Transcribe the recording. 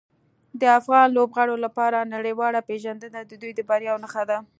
د افغان لوبغاړو لپاره نړیواله پیژندنه د دوی د بریاوو نښه ده.